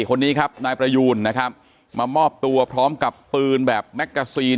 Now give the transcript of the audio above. คนนี้ครับนายประยูนนะครับมามอบตัวพร้อมกับปืนแบบแมกกาซีน